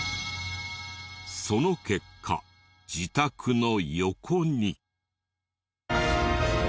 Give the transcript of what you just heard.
その結果自宅の横に。